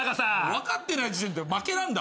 分かってない時点で負けなんだって。